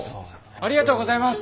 ありがとうございます。